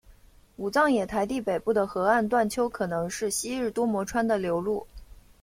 武藏野台地北部的河岸段丘可能是昔日多摩川的流路。